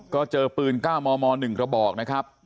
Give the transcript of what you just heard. ก็เจอปืน๙มม๑กระบอกนะครับ